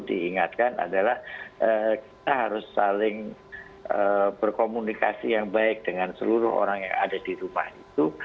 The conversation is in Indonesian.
diingatkan adalah kita harus saling berkomunikasi yang baik dengan seluruh orang yang ada di rumah itu